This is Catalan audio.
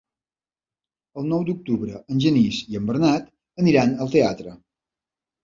El nou d'octubre en Genís i en Bernat aniran al teatre.